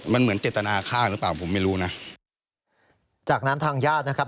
มันเหมือนเจตนาฆ่าหรือเปล่าผมไม่รู้นะจากนั้นทางญาตินะครับ